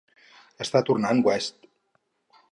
Està tornant, West!